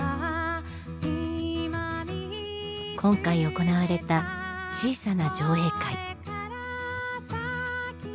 今回行われた小さな上映会。